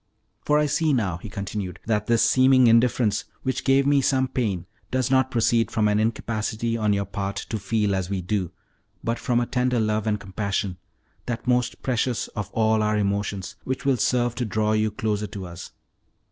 "For I see now," he continued, "that this seeming indifference, which gave me some pain, does not proceed from an incapacity on your part to feel as we do, but from a tender love and compassion that most precious of all our emotions, which will serve to draw you closer to us.